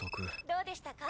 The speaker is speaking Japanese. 「どうでしたか？